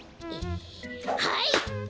はい！